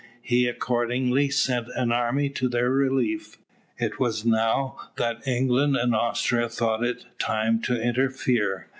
He accordingly sent an army to their relief. It was now that England and Austria thought it time to interfere.